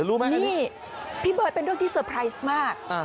รู้ไหมนี่พี่เบิร์ตเป็นเรื่องที่เซอร์ไพรส์มาก